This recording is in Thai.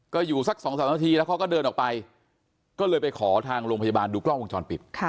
ก็อยู่สัก๒๓นาทีแล้วเขาก็เดินออกไปก็เลยไปขอทางโรงพยาบาลดูกล้องวงจรปิด